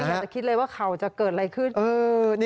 มันอยากจะคิดเลยขาวจะเกิดอะไรขึ้น